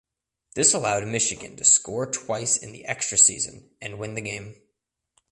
This allowed Michigan to score twice in the extra session and win the game.